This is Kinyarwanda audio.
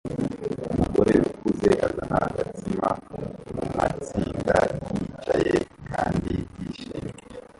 Umugore ukuze azana agatsima mumatsinda yicaye kandi yishimye